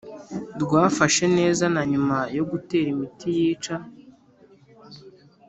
rwafashe neza na nyuma yo gutera imiti yica